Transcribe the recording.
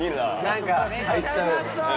何か入っちゃうよな